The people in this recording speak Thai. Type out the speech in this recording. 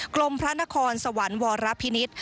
กรมพระนครสวรรค์วรพินิษฐ์